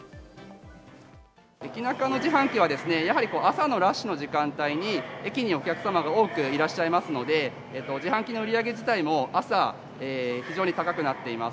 駅中の自販機は、やはり朝のラッシュの時間帯に、駅にお客様が多くいらっしゃいますので、自販機の売り上げ自体も、朝、非常に高くなっています。